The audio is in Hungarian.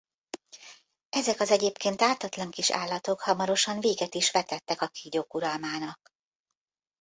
Ezek az egyébként ártatlan kis állatok hamarosan véget is vetettek a kígyók uralmának.